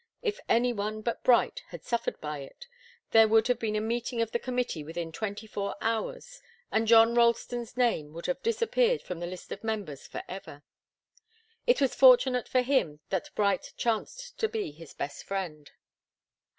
If any one but Bright had suffered by it, there would have been a meeting of the committee within twenty four hours, and John Ralston's name would have disappeared from the list of members forever. It was fortunate for him that Bright chanced to be his best friend.